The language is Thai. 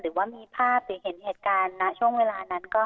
หรือว่ามีภาพหรือเห็นเหตุการณ์ณช่วงเวลานั้นก็